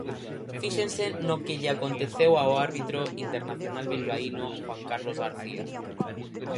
Fíxense no que lle aconteceu ao árbitro internacional bilbaíno Juan Carlos García.